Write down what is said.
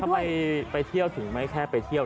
ไปเที่ยวถึงไม่แค่ไปเที่ยว